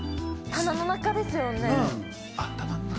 棚の中ですよね。